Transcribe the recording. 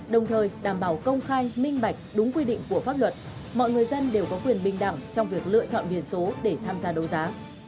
đồng thời đảm bảo công khai minh bạch đúng quy định của pháp luật mọi người dân đều có quyền bình đẳng trong việc lựa chọn biển số để tham gia đấu giá